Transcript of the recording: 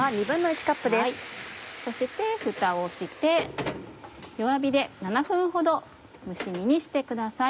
そしてふたをして弱火で７分ほど蒸し煮にしてください。